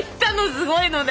すごいので！